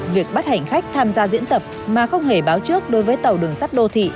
việc bắt hành khách tham gia diễn tập mà không hề báo trước đối với tàu đường sắt đô thị